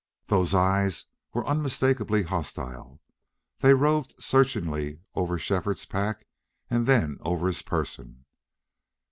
Those eyes were unmistakably hostile. They roved searchingly over Shefford's pack and then over his person.